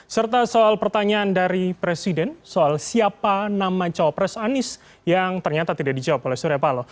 serta soal pertanyaan dari presiden soal siapa nama cowok pres anies yang ternyata tidak dijawab oleh suriapalo